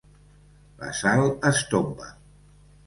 La Sal es tomba.